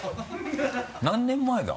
何年前だ？